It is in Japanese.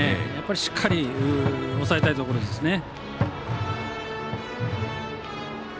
しっかり抑えたいところですね。